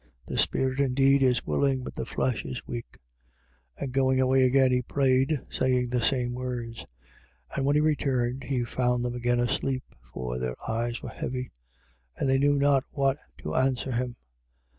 The spirit indeed is willing, but the flesh is weak. 14:39. And going away again, he prayed, saying the same words. 14:40. And when he returned, he found them again asleep (for their eyes were heavy): and they knew not what to answer him.